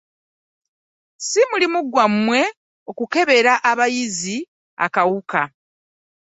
Si mulimu gwammwe okukebera abayizi akawuka.